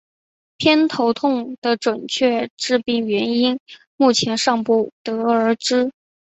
偏头痛的准确致病原理目前尚不得而知。